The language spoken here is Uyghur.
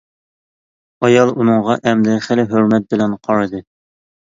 ئايال ئۇنىڭغا ئەمدى خېلى ھۆرمەت بىلەن قارىدى.